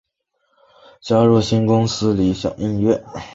加入新公司理响音乐。